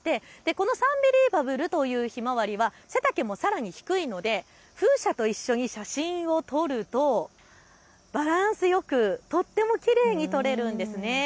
このサンビリーバブルというひまわりは背丈もさらに低いので風車と一緒に写真を撮るとバランスよくとってもきれいに撮れるんです。